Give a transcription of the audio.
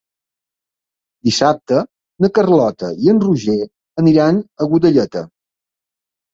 Dissabte na Carlota i en Roger aniran a Godelleta.